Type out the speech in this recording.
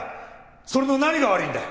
それの何が悪いんだ！？